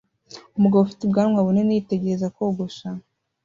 Umugabo ufite ubwanwa bunini yitegereza kogosha